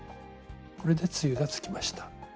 これで露がつきました。